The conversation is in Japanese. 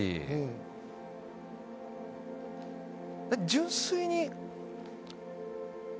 純粋に。